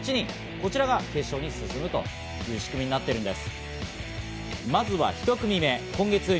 こちらが決勝に進むという仕組みになっているんです。